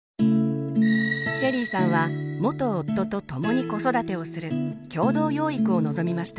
シェリーさんは元夫と共に子育てをする共同養育を望みました。